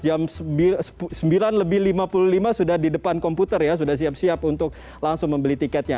jam sembilan lebih lima puluh lima sudah di depan komputer ya sudah siap siap untuk langsung membeli tiketnya